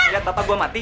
lihat bapak gue mati